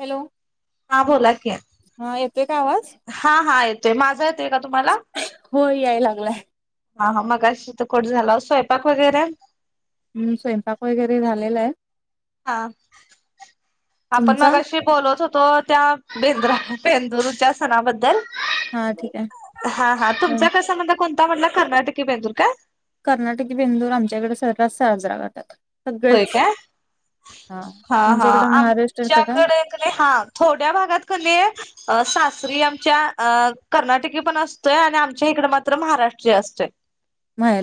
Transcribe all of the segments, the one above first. Hello! हा बोला कि आता. हा येतोय का आवाज? हा हा येतोय माझं येतंय का तुम्हाला? हो याय लागलाय. हा हा मगाशी त कट झाला हो. स्वयपाक वगैरे? हम् स्वयंपाक वगैरे झालेला आहे हा आपण तुमचा? मगाशी बोलत होतो त्या बेंद्रा, बेंदूरूच्या सणाबद्दल हा ठीक आहे. हा हा तुमच्या काय संबध कोणता म्हटल? कर्नाटकी बेंदूर का? कर्नाटकी बेंदूर आमच्याकडे सर्रास साजरा करतात. होय सगळेच काय हा हा तुमच्याकड महाराष्ट्र [unintelligible] आमच्याकडे हा थोड्या भागात कमी आहे अ सासरी आमच्या अ कर्नाटकी पण असतोय, आणि आमच्या इकडं मात्र महाराष्ट्री असतोय.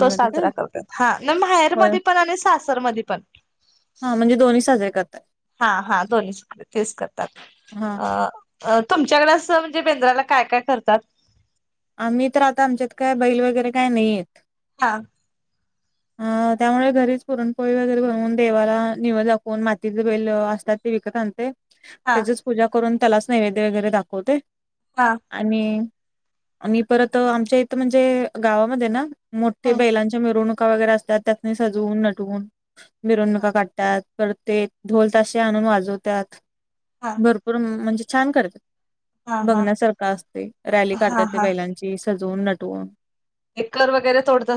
तो काय? साजरा करतात. हा माया होय माहेरमध्ये पण आणि सासरमध्ये पण. हा म्हणजे दोन्ही साजरे करतात. हा हा दोन्हीच कडे तेच करतात हा अ तुमच्याकडे असं म्हणजे बेंद्राला काय काय करतात? आम्ही तर आता आमच्यात काय बैल वगैरे काय नाहीयेत [unintelligible] [inaudible] आ त्यामुळे घरीच पुरणपोळी वगैरे बनवून, देवाला निवद दाखवून मातीचे बैल असतात ते विकत आणते. हा त्याचीच पूजा करून त्यालाच नैवेद्य वगैरे दाखवते. [unintelligible] आणि मी परत आमच्या इथं म्हणजे गावामध्ये ना, मोठे हा बैलांच्या मिरवणुका वगैरे असतात त्या सजवून नटवून मिरवणुका काढतात. परत ते ढोल ताशे आणून वाजवत्यात हा भर पूर म्हणजे छान करतात. हा हा बघण्यासारखं असत ते. रॅली हा काढतात ते हा बैलांची सजवून नटवून. एकल वगैरे थोडंतात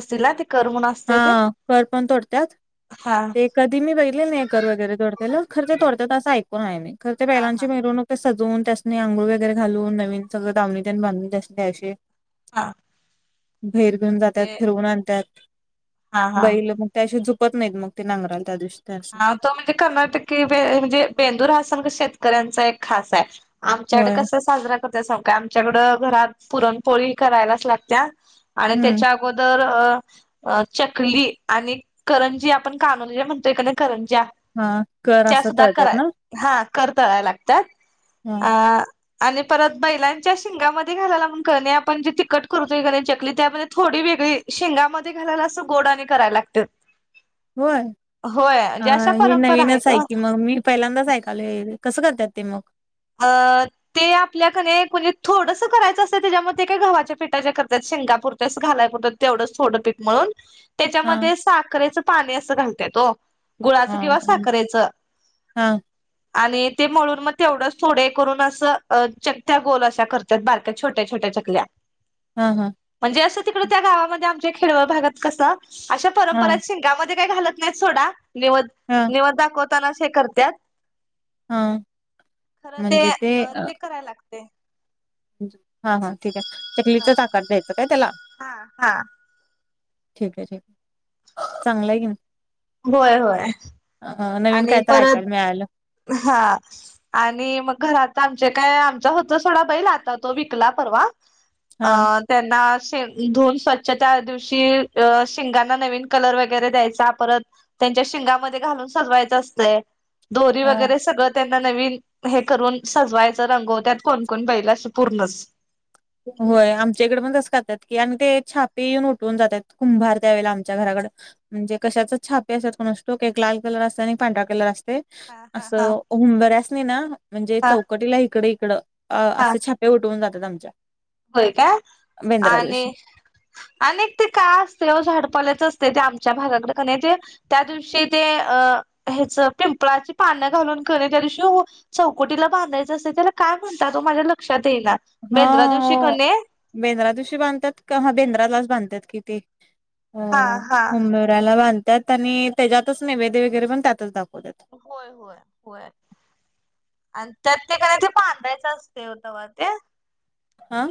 हा. कर पण तोडत्यात. हा ते कधी मी बघितलेल नाही. कर वगैरे तोडतेल खरं ते तोडतात असं ऐकुण आहे मी खर ते हा हा बैलांची मिरवणूक सजवून. त्यासनी आंघोळ वगैरे घालून. नवीन सगळं दावणी तेन बांधून. त्यासनी त्या दिवशी हा. बाहेर घेऊन ते जात्यात. फिरवून आणतात हा हा बैल मग त्या शिवाय झुपत नाहीत मग ते नांगराला त्या दिवशी त्यासनी. हा तो म्हणजे कर्नाटकी बे म्हणजे बेंदूर हा सण शेतकऱ्यांचा एक खास आहे. आमच्याकडे होय कस साजरा करत्यात सांगू काय. आमच्याकडं घरात पुरणपोळी करायलाच लागत्या. आणि हम्म त्याच्या अगोदर अ चकली आणि करंजी आपण कानुल्या म्हणतोय कणी करंज्या हा कर त्या असं सुद्धा तळत्यात कराय ना. हा कर तळाय लागत ह अ. आणि परत बैलांच्या शिंगामध्ये घालायला कणी आपण जे तिखट करतोय कणी चकली त्या मध्ये थोडी वेगळी शिंगामध्ये घालायला असं गोड आणि करायला लागत्यात. होय. होय अ म्हणजे अशा हे परंपरा नवीनच आहेत ओ आहे की मग मी पहिल्यांदाच ऐकायलोय कसं करतात ते मग. अ. ते आपल्या कणी कुणी थोडसं करायचं असतं. त्याच्यामुळे ते काय गव्हाच्या पिठाच्या करतात. शिंगापुरत्याच घालाय कुठ. तेवढंच थोडं पीठ मळून. हा त्याच्यामध्ये साखरेचं पाणी असं घालत्यात ओ. गुळाचं हा किंवा साखरेच हा आणि ते मळून मग तेवढं थोडे करून असं चकत्या गोल अशा करतात. बारक्या छोट्या छोट्या चकल्या. हा हा. म्हणजे असं तिकडे त्या गावामध्ये आमच्या खेडवळ भागात कसं अशा हा परंपरा शिंगामध्ये काही घालत नाहीत सोडा. निवद हा. निवद दाखवतानाच हे करत्यात. हा. खरं ते ते कराय लागते. हा हा ठीक आहे. चकलीचच आकार द्यायचं काय त्याला. हा हा. ठीक आहे. ठीक आहे. चांगलं आहे की नाही. होय होय. ह नवीन आणि काय तर ऐकायला परत मिळाल. हा. आणि मग घरात आमचे काय आमच होत सोडा बैल आता तो विकला परवा. हा अ. त्यांना शेण धुऊून स्वच्छ त्या दिवशी अ शिंगांणा नवीन कलर वगैरे द्यायचा परत त्यांच्या शिंगामध्ये घालून सजवायचं असतंय. दोरी हा वगैरे सगळं त्यांना नवीन हे करून सजवायच. रंगवत्यात कोण कोण बैल अशी पूर्णच होय. आमच्या इकडे पण तसं करत्यात की आणि ते छापे येऊन उठवून जातात कुंभार त्यावेळेला आमच्या घराकडं. म्हणजे कशाच छापे असत्यात. कोणसटो एक लाल कलर असते आणि पांढरा कलर असते. हा हा अस हा हुंबर्यासनी ना म्हणजे हा चौकटीला इकडे इकड हा असं छाप उठवून जातात आमच्या. होय काय बेंद्रा आणि दिवशी आणिक ते काय असते व झाडपलेच असते ते आमच्या भागाकडे का नाही ते त्या दिवशी ते अ ह्याच पिंपळाची पानं घालून केली त्या दिवशी चौकटीला बांधायचं असेल त्याला काय म्हणतात तो माझ्या लक्षात येईना. हा बेंद्रा दिवशी कणी बेंद्रा दिवशी बांधतात का ह बेंद्रालाच बांधतात कि ते. ह हा हा. [inaudible] ला बांधतात आणि त्याच्यातच नेवेद्य वगैरे पण त्यातच दाखवतात. होय होय होय आणि त्यात का नाय ते बांधायचं असतेय व तेव्हा ते. अ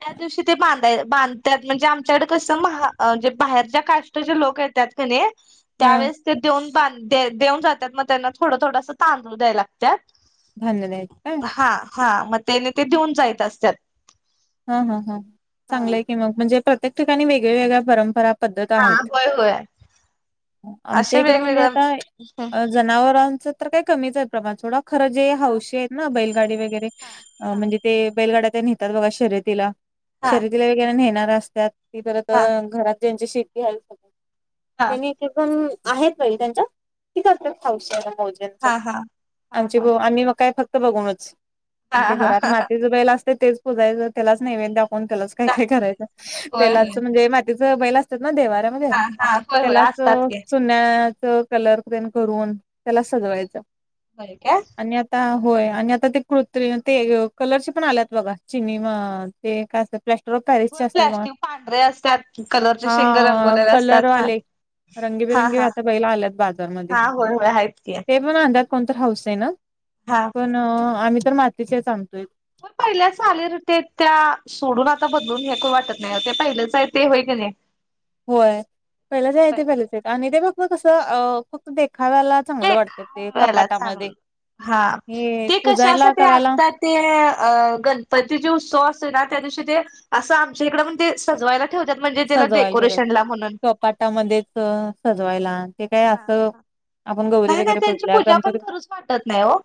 त्या दिवशी ते बांधाय बांधतात म्हणजे आमच्याकडे कस म म्हणजे कसं बाहेर च्या काष्टचे जे लोक येतात. कने हा त्यावेळेस ते देऊन बांध देऊन जातात मग त्यांना थोडं थोडंस तांदूळ द्यायला लागत्यात. धान्य नाहीत का? हा हा मग त्याने ते देऊन जायच असतात. हा हा हा हा चांगलंय की मग म्हणजे प्रत्येक ठिकाणी वेगळ्या वेगळ्या परंपरा पद्धत आहेत होय होय आमच्या असे इकडे म्हणजे वेगवेगळ्या आता अ [inaudible] जनावरांचं तर काय कमीच आहे प्रमाण सोडा खरं जे हा हौशी आहेत ना बैलगाडी वगैरे म्हणजे ते बैलगाड्या त्या नेतात बघा [inaudible] शर्यतीला शर्यतीला वगैरे नेणार असतात. खरं हा हा हा तर घरात ज्यांच्या शे हा त्यांनी इ पण आहेत काही त्यांच्या ते करतात हौस [inaudible] ज्याचं हा हा आमची भ आम्ही मग काय फक्त बघूनच. ते हा हा घरात हा माती जबायला असते तेच पुजायच त्यालाच नेवेद्य दाखवून त्यालाच काय हा काय करायचं होय तेलाच होय म्हणजे मातीच बैल असतात ना देवार्या बर ये हा हा होय होय त्यालाच असतात की [inaudible] चुन्याचे कलर पेंट करून त्यालाच सजवायचं होय काय आणि आता होय आणि आता ते कृत्रिम ते कलर चे पण आल्यात बघा चिनी म हां ते का प्लॅस्टर ऑफ पॅरिसचे होय असतात बघा प्लॅस्टिक पांढरे असतात कलरचे शेंग हा रंगवलेले असतात हा कलरवाले हा रंगीबिरंगी हा आता बैला आल्यात बाजारमध्ये हा होय होय आहेत की ते पण आनल्यात कोणत हौसेन. हा पण आम्ही तर मातीचेच आनतोय होय पहिल्याच चालीरीती येतं त्या सोडून आता बदलून हे नको वाटत नाही ते पहिलेच आहे ते होय की नाही होय पहिले ज आहे ते पहिलेचेत आणि ते फक्त कसं फक्त देखाव्याला चांगलं वाटत ते खायला कपाटामध्ये चांगलं हा हे ते पूजायला कशासाठी करायला आता ते अ गणपतीचे उत्सव असतो ना त्या दिवशी ते असं आमच्या इकडे पण तेच सजवायला ते ठेवतात म्हणजे त्याला डेकोरेशनला म्हणून [inaudible] मध्येच सजवायला ते काय असं आपण गौरी नाही नाही वगैरे त्यांची पुजल्या पूजा पण गणपती करूच वाटत नाही हो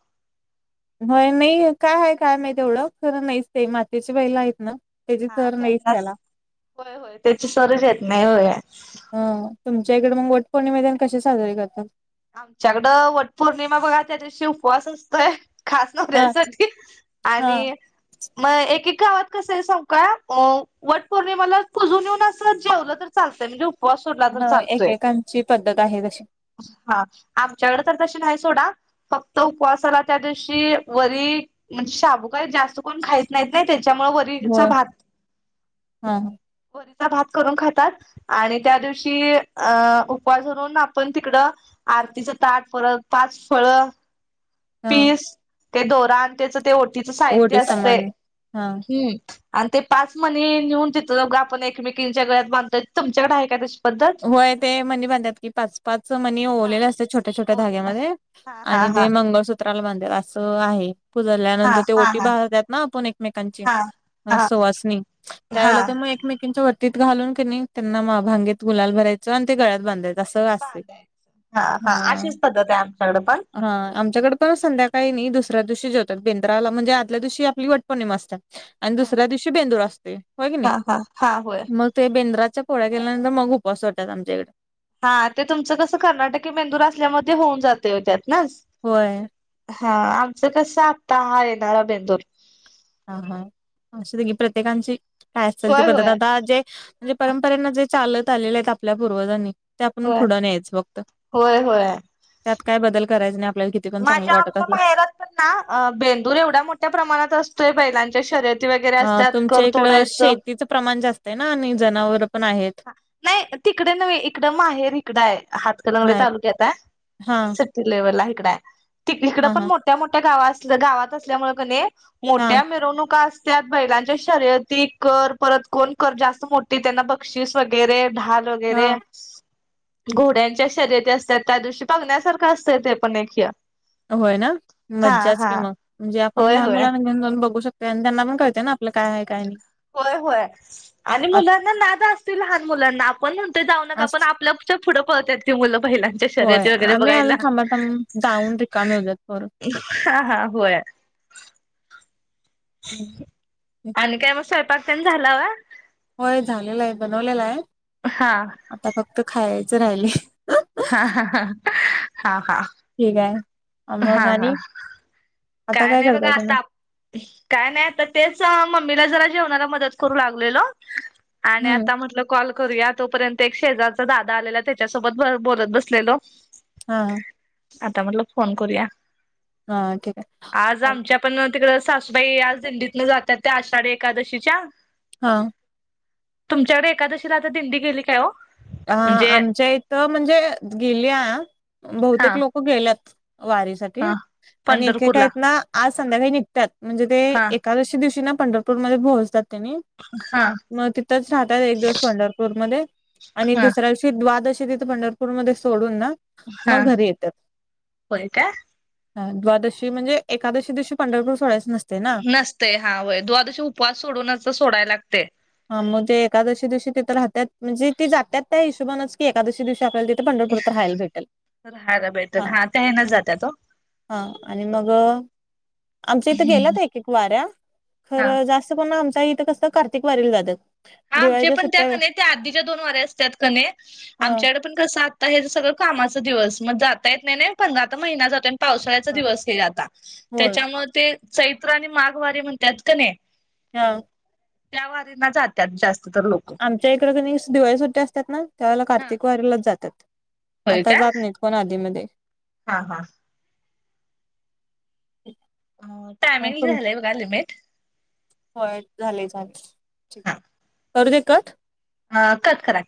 होय नाही काय आहे काय माहिती तेवढं खरं नाहीच ते मातीची बैला आहेत ना त्याची हा चर नाहीच त्यांना त्याला. होय होय त्याची सरच येत नाही होय ह तुमच्या इकडे मग वट पौर्णिमेतेन कशी साजरी करतात आमच्याकडं वट पौर्णिमा बघा त्या दिवशी उपवास असतोय ह खास हा नवऱ्यासाठी हा आणि मग एक- एक गावात कसं आहे सांगु का अ वट पौर्णिमाला पुजुन येऊन असं जेवलं तर चालतंय म्हणजे ऊ ह एकेकांची पद्धत आहे तशी. हा आमच्याकड तर तशी नाही सोडा, फक्त उपवासाला त्या दिवशी वरी म्हणजे शाबू काय जास्त कोण खाईत नाहीत नाही त्याच्यामुळं वरी रीचा होय भात हा वरीचा भात करून खातात. आणि त्या दिवशी अ उपास धरून आपण तिकडं आरतीचं ताट, परत पाच फळं, हा पीस, ते दोरा आणी त्याच ते ओटीचं साहित्य ओटी समान असतयं. हा. हुं.. आणि ते पाच मणी नेऊन तिथं बघा आपण एकमेकींच्या गळ्यात बांधतोय तुमच्याकडं आहे काय तशी पद्धत? होय ते मणी बांधात्यात की पाच. पाच मणी हा ओवलेले असत्यात छोट्या -छोट्या ओलेला धाग्यांमध्ये हा हा आणि हा ते मंगळसु त्राला बांधत्यात असं आहे हा पुजल्यानंतर ते हा ओटी हा बहत्यात ना आपण एकमेकांची हा ह हा सुवासनी त्या हा वेळेला तर मग एकमेकीची व टीत घालून कनई त्यांना भांगेत गुलाल भरायचं आणि ते गळ्यात बांधायचं. अस असतयं. बांधायचं हा.. अशीच पद्धत आहे आमच्याकडे पण हा.. आमच्याकड पण संध्याकाळी नाही दुसऱ्या दिवशी जेवतात बेंद्राला म्हणजे आदल्या दिवशी आपली वटपोर्णिमा असत्या आणि हा दुसऱ्या दिवशी बेंदूर असतोय होय की नाही हा हा हा होय मग ते बेंद्राच्या पोळ्या केल्यानंतर मग उ उपवास सोडत्यात आमच्याईकडं. हा ते तुमचं कसं कर्नाटकी बेंदुर असल्यामुळं होऊन जातयं हो त्यातनच. होय. हा आमचं कस आत्ता हा येणारा बेंदूर. हा. हा आसुदे की प्रत्येकांची काय असेल ते होय पद्धत होय आता जे जे परंपरेनं जे चालत आलेलं आहेत आपल्या पूर्वजांनी ते आपण होय पुढं न्यायचं फक्त, होय होय. त्यात काय बदल करायचं नाही आपल्याला किती पण चांगलं माझ्या वाटत आमच्या असलं माहेरात पण ना बेंदूर एवढ्या मोठ्या प्रमाणात असतोय बैलांच्या शर्यत अ तुमच्या इकड शेतीचं प्रमाण जास्त आहे ना आणि जनावरं पण आहेत. नाही तिकडे नव्हें इकडं माहेर इकडं हाय, हातकलंगडे माहेर तालुक्यात हाय. हा ती [unintelligible] ला इकडं हाय, हिकडं हा पण हा मोठ्या मोठ्या गावा गावात असल्यामुळं कनई मोठ्या मिरवणुका आस त्यात बैलांच्या शर्यती, कर परत कोण कर जास्त मोठी त्यांना ब क्षीस वगैरे, ढाल वगैरे हा घोड्यांच्या शर्यती असत्यात त्या दिवशी बघण्यासारखं असतंय ते पण एक ह्य. होय ना मज्जाच कि मग म्हणजे आपण होय लहान होय मुलांना घेऊन जाऊन बघू शकतोय आणि त्यांना पण कळतंय ना आपलं काय हाय काय? नाही होय होय. आणि आ मुलांना नाद असतोयं लहान मुलांना आपण म्हणतोयं जाऊ नका आज पण आपलं च्या पुढं पळतात ती मुलं पहिलाच. होय आम्ही अजून थांबा-थांबा म्हणून जाऊन रिकामी होत्यात पोरं. हा हा होय. ह आणि काय मग स्वयंपाक तेन झाला व्हय? होय झालेलं हाय, बनवलेलं हाय. हा. आता फक्त खायायचं राहिलयं. हा हा हा हा. ठीक आहे, मग हा हा आणि, आता काय नाही बघा करताय आता तुम्ही? आप- काय नाही, आता तेच मम्मीला जरा जेवणाला मदत करू लागलेलो. आणि हम्म आता म्हंटल कॉल करूया. तोपर्यंत एक शेजारचा दादा आलेला त्याच्यासोबत बोलत बसलेलो. हां. आता म्हटल फोन करूया. हा ठीक आहे आज आमच्या चालतंय. पण तिकड सासूबाई आज दिंडीतन जातात त्या आषाढी एकादशीच्या. हां. तुमच्याकडे एकादशीला आता दिंडी गेली काय हो? अ म्हणजे आमच्या इथ म्हणजे गेलिया हा बहुतेक लोक हो गेल्यात वारीसाठी. हा आणि एक एक पंढरपूरला आहेत ना आज संध्याकाळी निघतात म्हणजे ते ए हा एकादशी दिवशी ना पंढरपूरमध्ये पोहोचतात त्यांनी. हा मग तिथच राहतात एक दिवस पंढरपूरमध्ये. आणि हा दुसऱ्या दिवशी द्वादशी तिथ पंढरपूरमध्ये सोडून ना हा मग घरी येत्यात. होय काय हा द्वादशी म्हणजे एकादशी दिवशी पंढरपूर सोडायच नसतय ना. नसतेय हां व्हय द्वादशी उपवास सोडूनच सोडायला लागतय. हा मग ते एकादशी दिवशी तिथे राहतात म्हणजे ती जात्यात त्या हिशबानेच की एकादशी दिवशी आपल्याला ती [unintelligible] हा त्या ह्यान जात्यात ओ. हां आणि मग आमच्या इथ गेल्यात हम्म. एक एक वाऱ्या हा खर जास्त, पण आमच्या इथ कस कार्तिक वारीला जात्यात. हा आमचे पण त्या कने त्या आधीच्या दोन वाऱ्या असतात ना कनय ह आमच्याकडे पण कस हे सगळ कामाच दिवस मग जाता येत नाही ना पंधरा तर आता महिना जातोय. पावसाळ्याचा ह दिवस हे आता होय त्याच्यामुळे ते चैत्र आणि माघवारी म्हणतात की नाही. हां. त्या वारींना जात्यात जास्त तर लोक. आमच्या इकड की नाही दिवाळी सु्ट्या असतात ना, त्यावेळेला हा कार्तिक वारीलाच जात्यात आता जात नाही. कोण आधी मध्ये. हां हां. [inaudible] टायमिंग झालय बघा लिमिट. होय झाले झाले ठीक करू ते कट. हां कट करा.